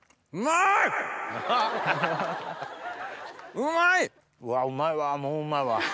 うまい！わうまいわもううまいわ。